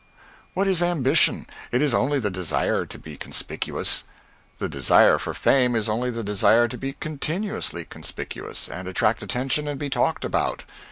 What is ambition? It is only the desire to be conspicuous. The desire for fame is only the desire to be continuously conspicuous and attract attention and be talked about.